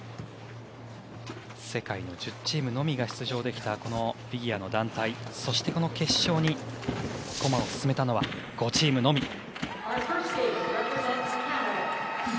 世界の１０チームのみが出場できたこのフィギュアの団体そしてこの決勝に駒を進めたのは５チームのみ。